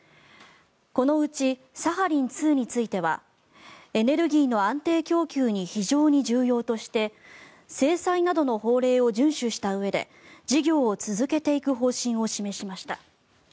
このうちサハリン２についてはエネルギーの安定供給に非常に重要として制裁などの法令を遵守したうえで事業を続けていく方針を示しました。